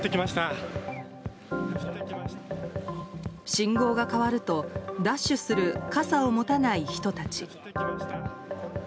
信号が変わるとダッシュする傘を持たない人たち。